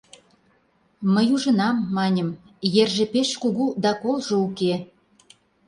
— Мый ужынам, — маньым, — ерже пеш кугу да колжо уке.